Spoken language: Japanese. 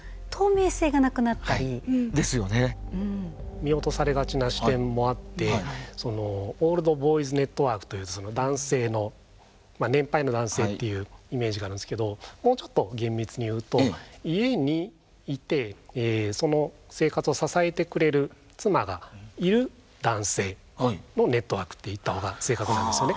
見落とされがちな視点もあってそのオールド・ボーイズ・ネットワークという男性のまあ年配の男性っていうイメージがあるんですけどもうちょっと厳密に言うと家にいてその生活を支えてくれる妻がいる男性のネットワークって言った方が正確なんですよね。